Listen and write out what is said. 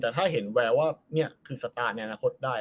แต่ถ้าเห็นแววว่านี่คือสตาร์ทในอนาคตได้